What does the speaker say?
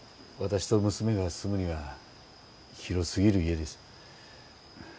私と娘が住むには広すぎる家です